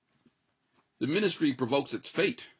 "The Ministry provokes its fate!"